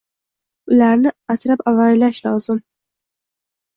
Ularni asrab-avaylash lozim.